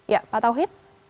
ja pak tauhid